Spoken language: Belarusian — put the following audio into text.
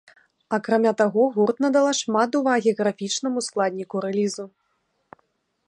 Акрамя таго, гурт надала шмат увагі графічнаму складніку рэлізу.